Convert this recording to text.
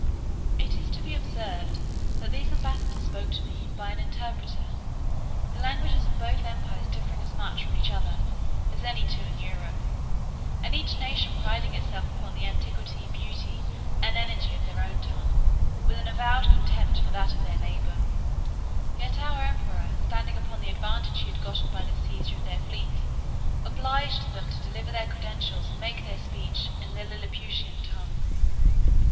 It is to be observed, that these ambassadors spoke to me, by an interpreter, the languages of both empires differing as much from each other as any two in Europe, and each nation priding itself upon the antiquity, beauty, and energy of their own tongue, with an avowed contempt for that of their neighbour; yet our emperor, standing upon the advantage he had got by the seizure of their fleet, obliged them to deliver their credentials, and make their speech, in the Lilliputian tongue.